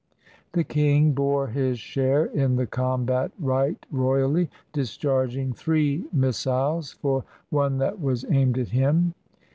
The king bore his share in the combat right royally, discharging 199 INDIA three missiles for one that was aimed at him.